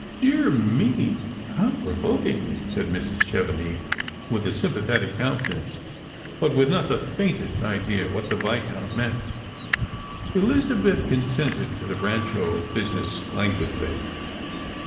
"Dear me, how provoking!" said Mrs. Chevenix, with a sympathetic countenance, but with not the faintest idea what the Viscount meant. Elizabeth consented to the Rancho business languidly.